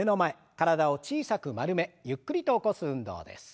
体を小さく丸めゆっくりと起こす運動です。